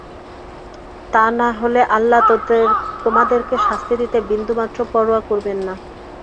তা না হলে আল্লাহ তোমাদেরকে শাস্তি দিতে বিন্দুমাত্র পরোয়া করবেন না।